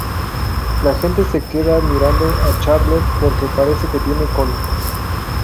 La gente se queda mirando a Charlot porque parece que tiene cola.